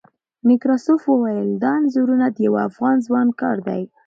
نکراسوف وویل، دا انځورونه د یوه افغان ځوان کار دی.